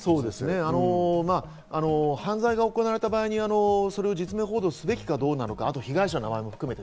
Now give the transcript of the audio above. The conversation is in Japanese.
犯罪が行われた場合、実名報道すべきかどうか、被害者の名前も含めて。